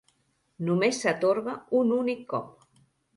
Només s'atorga un únic cop.